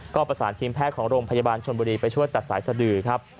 ก็ประสานทีมแพทย์ของโรงพยาบาลชนบุรีไปช่วยตัดสายสดือครับ